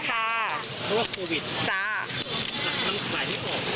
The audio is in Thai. เพราะว่าโควิด